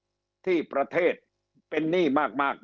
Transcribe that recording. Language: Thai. ก็คือว่าในสภาพที่ประเทศเป็นหนี้มากแบบนี้